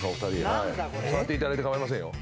触っていただいて構いませんよ。